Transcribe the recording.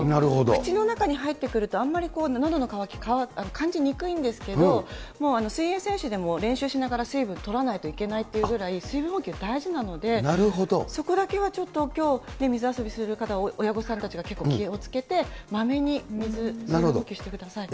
口の中に入ってくるとあんまりのどの渇き、感じにくいんですけど、もう、水泳選手でも練習しながら水分とらないといけないというぐらい水分補給大事なので、そこだけはちょっときょう、水遊びする方、親御さんたちが結構気をつけて、まめに水、水分補給してください。